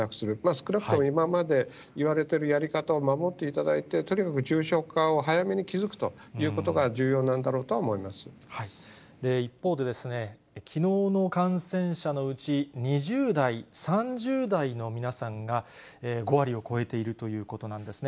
少なくとも今までいわれてるやり方を守っていただいて、とにかく重症化を早めに気付くということが重要なんだろうとは思一方で、きのうの感染者のうち２０代、３０代の皆さんが、５割を超えているということなんですね。